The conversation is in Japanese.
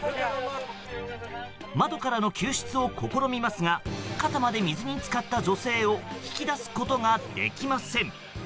窓からの救出を試みますが肩まで水に浸かった女性を引き出すことができません。